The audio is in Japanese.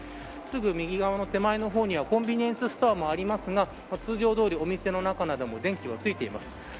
すぐ右側の手前の方にはコンビニエンスストアもありますが通常どおりお店の中なども電気がついています。